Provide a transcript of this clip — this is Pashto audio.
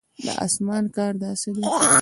د اسمان کار داسې دی.